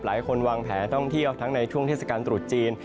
หลายคนวางแผนท่องเที่ยวทั้งในช่วงเทศกาลตรุษจีน